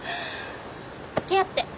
つきあって。